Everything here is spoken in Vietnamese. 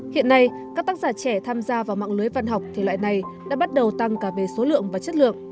hiện nay các tác giả trẻ tham gia vào mạng lưới văn học thể loại này đã bắt đầu tăng cả về số lượng và chất lượng